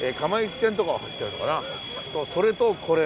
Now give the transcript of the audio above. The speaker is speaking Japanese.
それとこれ。